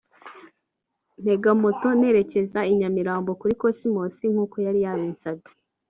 ntega moto nerekeza i Nyamirambo kuri Cosmos nk’uko yari yabinsabye